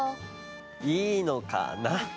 いいのかな？